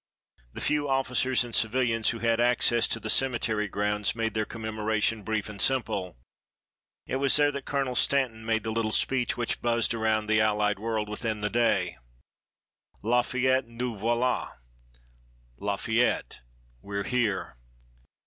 The few officers and civilians who had access to the cemetery grounds made their commemoration brief and simple. It was there that Colonel Stanton made the little speech which buzzed around the Allied world within the day: "Lafayette, nous voilà!" "Lafayette, we're here!"